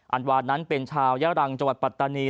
อันวานั้นเป็นชาวยารังจปัตตานี